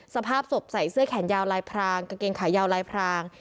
สภาพศพใส่เสื้อแขนยาวลายพรางกางเกงขายาวลายพราง